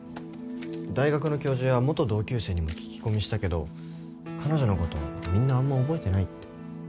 大学の教授や元同級生にも聞き込みしたけど彼女のことみんなあんま覚えてないって。